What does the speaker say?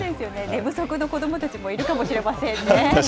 寝不足の子どもたちもいるかもしれませんね。